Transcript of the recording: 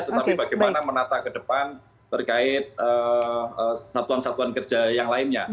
tetapi bagaimana menata ke depan terkait satuan satuan kerja yang lainnya